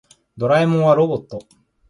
ドラえもんはロボット。